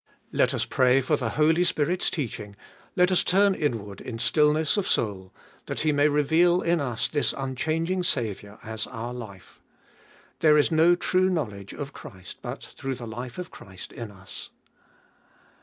3. Let us pray for the Holy Spirit's teaching, let us turn inward in stillness of soul, that He may reveal In us this unchanging Saviour as our life. There is no true knowledge of Christ but through the life of Christ in us.